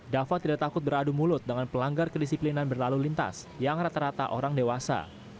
dava tidak takut beradu mulut dengan pelanggar kedisiplinan berlalu lintas yang rata rata orang dewasa